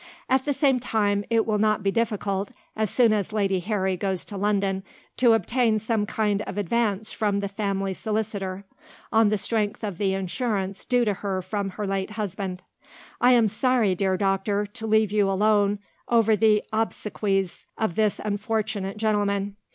"At the same time it will not be difficult, as soon as Lady Harry goes to London, to obtain some kind of advance from the family solicitor on the strength of the insurance due to her from her late husband. "I am sorry, dear doctor, to leave you alone over the obsequies of this unfortunate gentleman.